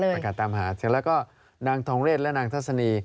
หรือประกาศตามหาซึ่งแล้วก็นางทองเรศและนางทรัศนี